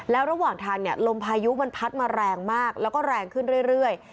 แล้วระหว่างทางเนี่ยลมพายุมันพัดมาแรงมากแล้วก็แรงขึ้นเรื่อย